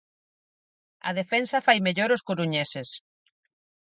A defensa fai mellor os coruñeses.